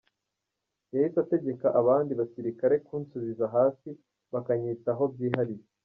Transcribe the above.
Yahise ategeka abandi basirikare kunsubiza hasi bakanyitaho byihariye.”